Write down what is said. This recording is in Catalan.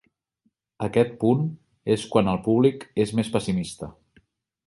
Aquest punt és quan el públic és més pessimista.